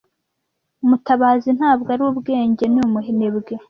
Mutabazi ntabwo ari ubwenge. Ni umunebwe.